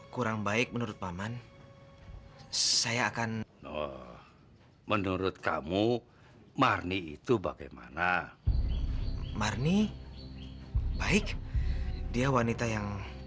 kurang baik menurut paman saya akan menurut kamu marni itu bagaimana marni baik dia wanita yang